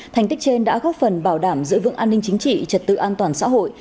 thành tích trên đã góp phần bảo đảm giữ vững an ninh chính trị trật tự an toàn xã hội